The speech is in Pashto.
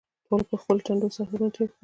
ټولو پر خپلو ټنډو څادرونه تېر کړل.